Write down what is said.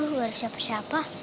apa luar siapa siapa